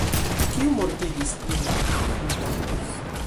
Kiu mortigis lin? Li mortis!